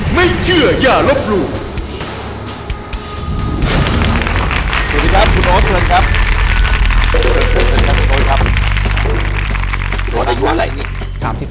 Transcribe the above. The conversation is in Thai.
สวัสดีครับคุณโอ๊ตเตือนครับ